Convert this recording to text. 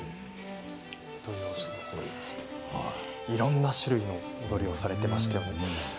いろんな種類の踊りをされていましたね。